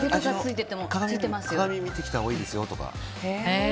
鏡を見てきたほうがいいですよとか。